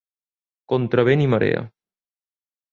Contra vent i marea.